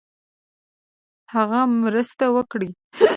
هغه مرسته وکړي.